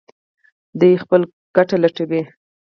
دوی خپله ګټه لټوي.